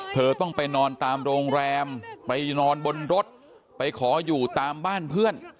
เธอต้องไปนอนตามโรงแรมไปนอนบนรถไปขออยู่ตามบ้านเพื่อน